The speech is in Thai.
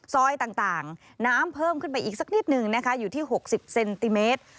ซอยต่างน้ำเพิ่มขึ้นไปอีกสักนิดนึงนะคะอยู่ที่๖๐เซนติเมตร